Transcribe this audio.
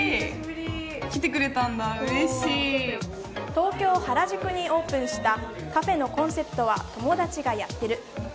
東京・原宿にオープンしたカフェのコンセプトは「友達がやってる」。